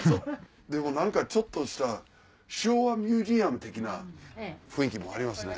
でも何かちょっとした昭和ミュージアム的な雰囲気もありますね。